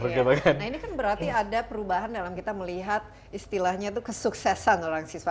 nah ini kan berarti ada perubahan dalam kita melihat istilahnya itu kesuksesan orang siswa